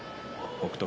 北勝